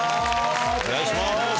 お願いします。